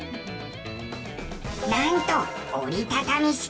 なんと折りたたみ式！